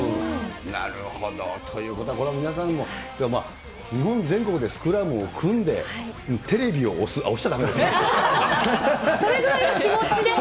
なるほど。ということはこれ、皆さん、日本全国でスクラムを組んで、テレビを押す、それぐらいの気持ちでね。